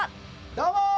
どうも！